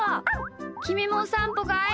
きみもおさんぽかい？